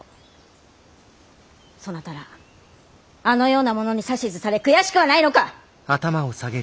そなたらあのような者に指図され悔しくはないのか！？